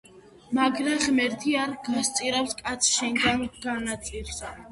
მაგრა ღმერთი არ გასწირავს კაცსა, შენგან განაწირსა